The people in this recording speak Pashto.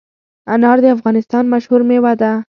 انار د افغانستان مشهور مېوه ده.